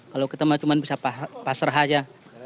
kalau kita cuma bisa pasar saja